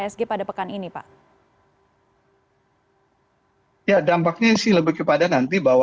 di isynil itu akan diisi jumlah perusahaan lebih besar dari sisiarda dan setelah ini